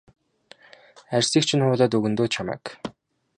Арьсыг чинь хуулаад өгнө дөө чамайг.